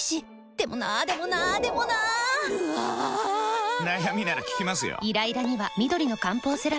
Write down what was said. でもなーでもなーでもなーぬあぁぁぁー！！！悩みなら聞きますよ。